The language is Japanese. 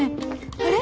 「あれ？